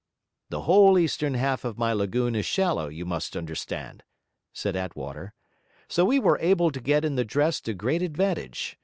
'The whole eastern half of my lagoon is shallow, you must understand,' said Attwater; 'so we were able to get in the dress to great advantage.